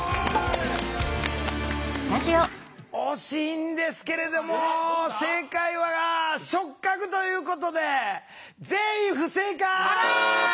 惜しいんですけれども正解は「触覚」ということで全員不正解！